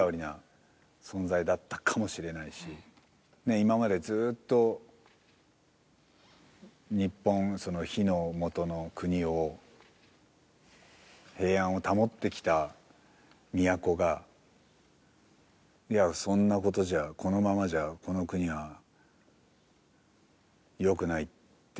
今までずっと日本日の本の国を平安を保ってきた都がいやそんな事じゃこのままじゃこの国は良くないって思い込んだ。